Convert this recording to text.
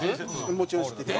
もちろん知ってるよ。